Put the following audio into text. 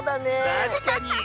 たしかに。